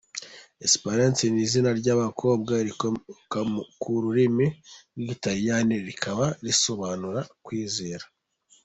Esperance ni izina ry’abakobwa rikomoka ku rurimi rw’ikilatini rikaba risobanura “kwizera”.